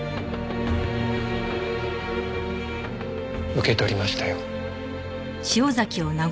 受け取りましたよ。